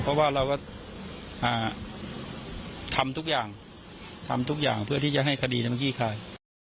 เพราะว่าเราก็ทำทุกอย่างเพื่อที่จะให้คดีนำขี้คาย